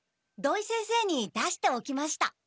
土井先生に出しておきました。